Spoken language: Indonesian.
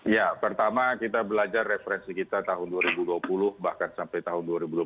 ya pertama kita belajar referensi kita tahun dua ribu dua puluh bahkan sampai tahun dua ribu dua puluh satu